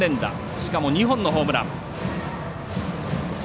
しかも２本のホームラン。